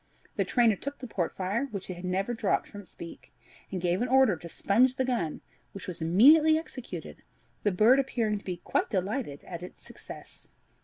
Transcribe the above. The trainer took the port fire, which it had never dropped from its beak, and gave an order to sponge the gun, which was immediately executed, the bird appearing to be quite delighted at its success.